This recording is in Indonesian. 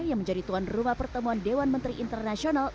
yang menjadi tuan rumah pertemuan dewan menteri internasional